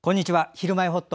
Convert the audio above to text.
「ひるまえほっと」。